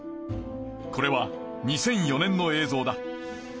これは２００４年のえいぞうだ。